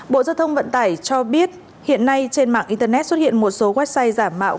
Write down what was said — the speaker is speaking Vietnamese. bộ giao thông vận tải cho biết hiện nay trên mạng internet xuất hiện một số website giả mạo